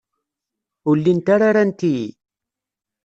Ur llint ara rant-iyi.